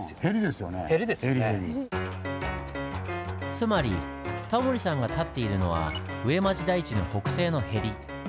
つまりタモリさんが立っているのは上町台地の北西のヘリ。